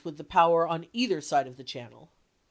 with the powers on either side of the Channel.